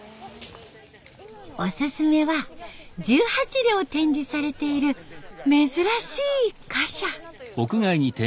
おすすめは１８両展示されている珍しい貨車。